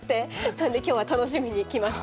なので今日は楽しみにきました。